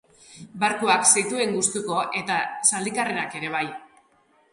Barkuak zituen gustuko eta zaldi karrerak ere bai.